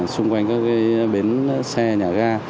xung quanh các bến xe nhà ga